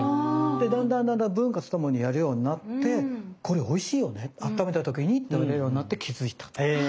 だんだんだんだん文化とともにやるようになってこれおいしいよねあっためた時に食べれるようになって気付いたと。